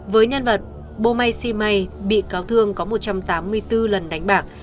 với nhân vật bù mai si mây bị cáo thương có một trăm tám mươi bốn lần đánh bạc